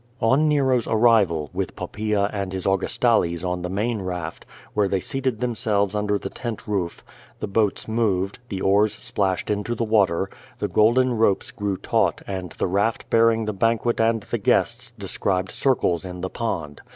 On Zero's arrival, with Poppaca and his Augustales on the main raft, where they seated themselves under the tent roof, the boats moved, the oars splashed into the water, the golden ropes grew taut and the raft bearing the banquet and tho guests described circles in the pond.